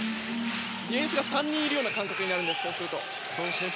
ディフェンスが３人いる感覚になるんですよ。